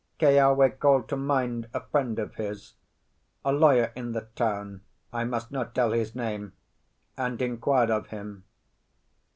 Keawe called to mind a friend of his, a lawyer in the town (I must not tell his name), and inquired of him.